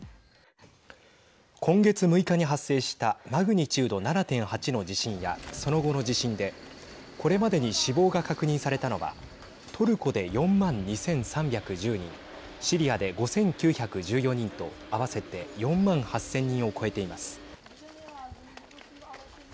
今月６日に発生したマグニチュード７．８の地震やその後の地震でこれまでに死亡が確認されたのはトルコで４万２３１０人シリアで５９１４人と合わせて４万８０００人を超えています。